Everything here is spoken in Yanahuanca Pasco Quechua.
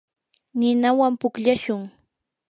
ninawan pukllashun.